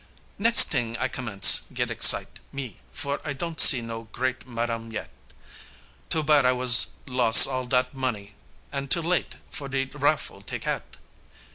Nex' t'ing I commence get excite, me, for I don't see no great Ma dam yet, Too bad I was los all dat monee, an' too late for de raffle tiquette!